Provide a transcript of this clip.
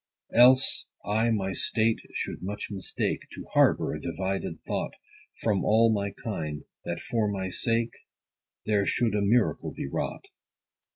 Else I my state should much mistake, To harbor a divided thought From all my kind ; that for my sake, There should a miracle be wrought.